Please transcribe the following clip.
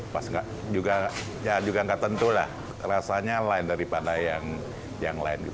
pas juga nggak tentu lah rasanya lain daripada yang lain gitu